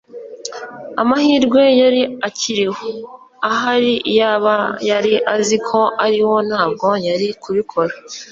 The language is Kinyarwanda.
amahirwe yari akiriho. ahari iyaba yari azi ko ariho ntabwo yari kubikora